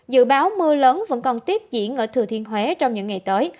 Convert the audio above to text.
dự báo mưa lớn vẫn còn tiếp diễn ở thừa thiên huế trong những ngày tới